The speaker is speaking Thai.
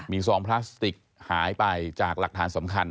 มีซองพลาสติกหายไปจากหลักฐานสำคัญ